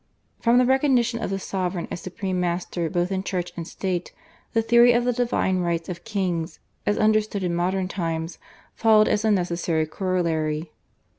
From the recognition of the sovereign as supreme master both in Church and State the theory of the divine rights of kings as understood in modern times followed as a necessary corollary.